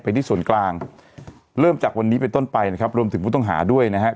ที่ส่วนกลางเริ่มจากวันนี้เป็นต้นไปนะครับรวมถึงผู้ต้องหาด้วยนะฮะ